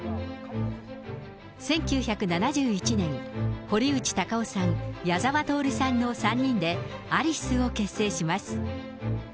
１９７１年、堀内孝雄さん、矢沢透さんの３人で、アリスを結成します。